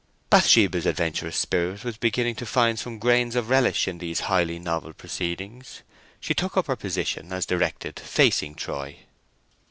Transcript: Bathsheba's adventurous spirit was beginning to find some grains of relish in these highly novel proceedings. She took up her position as directed, facing Troy.